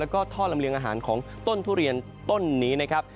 แล้วก็ท่อลำเลียงอาหารของต้นทุเรียนต้นนี้นะครับ